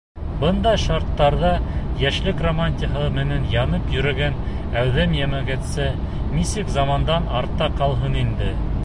Бындай шарттарҙа йәшлек романтикаһы менән янып йөрөгән әүҙем йәмәғәтсе нисек замандан артта ҡалһын инде?!